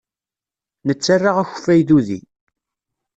Nettarra akeffay d udi.